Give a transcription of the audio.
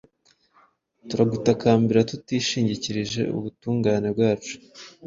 Turagutakambira tutishingikirije ubutungane bwacu,